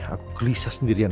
aku kelisah sendirian